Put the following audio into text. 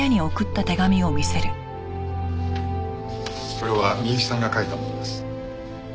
これは美雪さんが書いたものです。